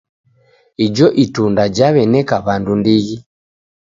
Ijo itunda jaw'eneka w'andu ndighi.